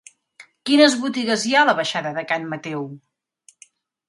Quines botigues hi ha a la baixada de Can Mateu?